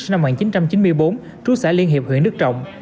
năm một nghìn chín trăm chín mươi bốn trú xã liên hiệp huyện đức trọng